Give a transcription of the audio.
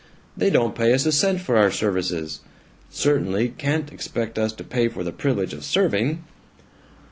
They don't pay us a cent for our services! Certainly can't expect us to pay for the privilege of serving!"